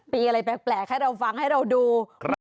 มีอะไรแปลกให้เราฟังให้เราดู